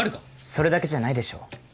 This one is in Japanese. それだけじゃないでしょ？